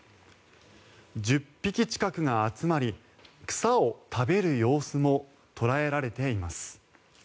１０匹近くが集まり草を食べる様子も捉えられています。